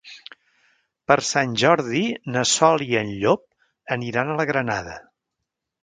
Per Sant Jordi na Sol i en Llop aniran a la Granada.